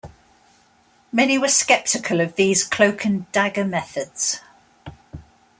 Many were skeptical of these cloak and dagger methods.